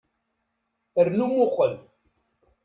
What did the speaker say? Rnu muqel.